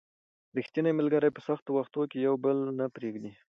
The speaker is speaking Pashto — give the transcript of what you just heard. ریښتیني ملګري په سختو وختونو کې یو بل نه پرېږدي